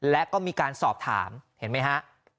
และก็มีการสอบถามเห็นไหมฮะ